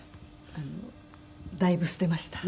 あのだいぶ捨てました。